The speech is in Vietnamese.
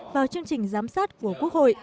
vào chương trình giám sát của quốc hội